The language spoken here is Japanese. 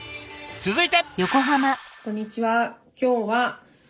続いて！